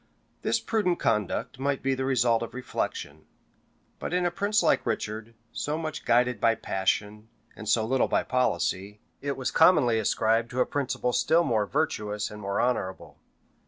This prudent conduct might be the result of reflection; but in a prince like Richard, so much guided by passion, and so little by policy, it was commonly ascribed to a principle still more virtuous and more honorable.